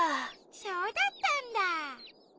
そうだったんだ！